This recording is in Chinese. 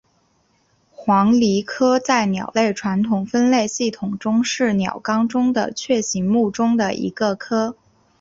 黄鹂科在鸟类传统分类系统中是鸟纲中的雀形目中的一个科。